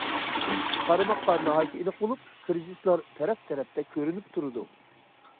قارىماققا ناھايىتى ئېنىق بولۇپ، كىرىزىسلار تەرەپ- تەرەپتە كۆرۈنۈپ تۇرىدۇ.